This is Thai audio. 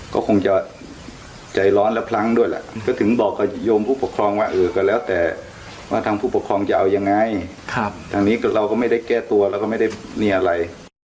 ก็คงจะใจร้อนและพลั้งด้วยแหละก็ถึงบอกกับโยมผู้ปกครองว่าเออก็แล้วแต่ว่าทางผู้ปกครองจะเอายังไงทางนี้เราก็ไม่ได้แก้ตัวแล้วก็ไม่ได้มีอะไร